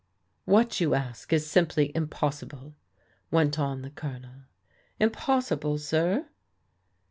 "What you ask is simply impossible," went on the G)lonel. "Impossible, sir?"